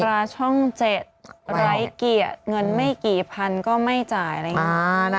ดาราช่องเจ็ดไรเกียจเงินไม่กี่พันก็ไม่จ่ายอะไรอย่างนี้